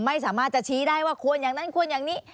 ไม่สามารถจะชี้ได้ว่าควรอย่างนั้นควรอย่างนี้